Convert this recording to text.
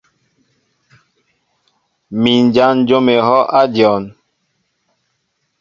Mi n jan jǒm ehɔʼ a dyɔn.